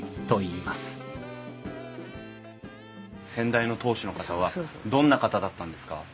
先代の当主の方はどんな方だったんですか？